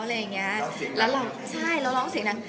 แล้วเราร้องเสียงนั้น